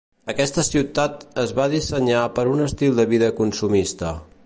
Aquesta ciutat es va dissenyar per un estil de vida consumista.